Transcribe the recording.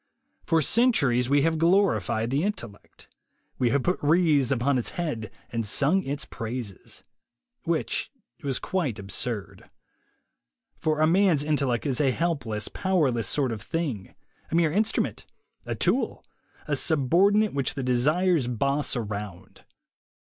For centuries we have glorified the intellect; we have put wreaths upon its head and sung its praises. Which was quite absurd. For a man's intellect is a helpless, powerless sort of thing, a mere instrument, a tool, a subordinate, which the desires boss around.